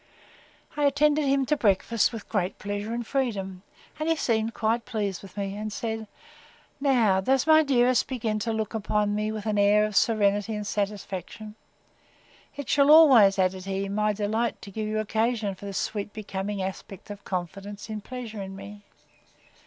I attended him to breakfast with great pleasure and freedom, and he seemed quite pleased with me, and said, Now does my dearest begin to look upon me with an air of serenity and satisfaction: it shall be always, added he, my delight to give you occasion for this sweet becoming aspect of confidence and pleasure in me.